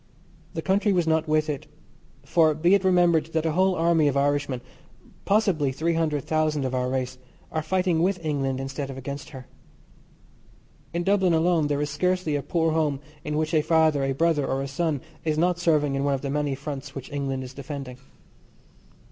The country was not with it, for be it remembered that a whole army of Irishmen, possibly three hundred thousand of our race, are fighting with England instead of against her. In Dublin alone there is scarcely a poor home in which a father, a brother, or a son is not serving in one of the many fronts which England is defending.